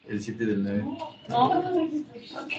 Se encuentra en África subsahariana y Australia.